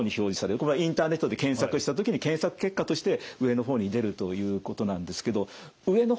これインターネットで検索した時に検索結果として上の方に出るということなんですけど上の方はですね